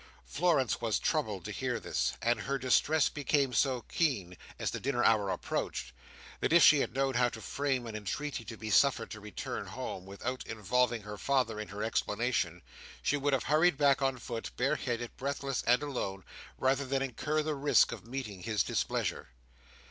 Florence was troubled to hear this; and her distress became so keen, as the dinner hour approached, that if she had known how to frame an entreaty to be suffered to return home, without involving her father in her explanation, she would have hurried back on foot, bareheaded, breathless, and alone, rather than incur the risk of meeting his displeasure.